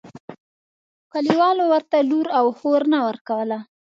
کلیوالو ورته لور او خور نه ورکوله.